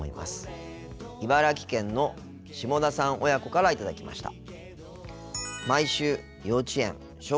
茨城県の下田さん親子から頂きました。